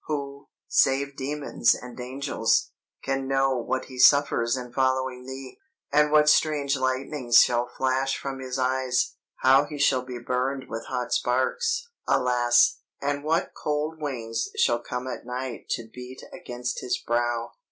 "Who, save demons and angels, can know what he suffers in following thee, and what strange lightnings shall flash from his eyes, how he shall be burned with hot sparks, alas! and what cold wings shall come at night to beat against his brow?